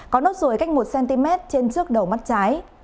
có nốt ruồi cách một cm trên trước đầu mắt trái